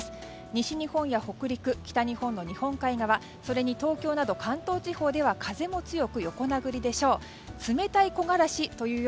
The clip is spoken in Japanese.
西日本や北陸、北日本の日本海側それに東京など関東地方では風も強く横殴りでしょう。